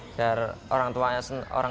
agar orang tua senang